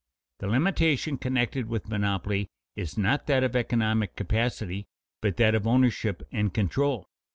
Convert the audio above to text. _The limitation connected with monopoly is not that of economic capacity but that of ownership and control.